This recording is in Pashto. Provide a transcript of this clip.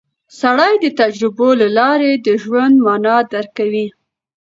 سړی د تجربو له لارې د ژوند مانا درک کوي